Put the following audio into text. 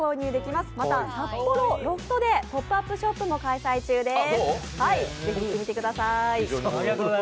または札幌ロフトでポップアップショップも開催中です。